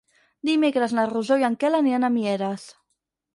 Dimecres na Rosó i en Quel aniran a Mieres.